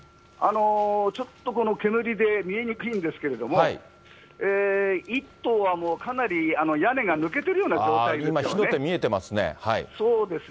ちょっとこの煙で見えにくいんですけれども、１棟は、もうかなり屋根が抜けてるような状態ですよね。